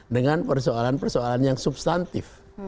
dengan persoalan persoalan yang substantif